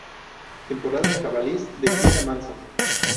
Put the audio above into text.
Temporada de jabalíes, de Gilda Manso.